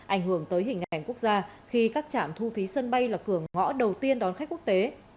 ảnh hưởng tới hình ảnh quốc gia khi các trạm thu phí sân bay là cửa ngõ đầu tiên đón khách quốc tế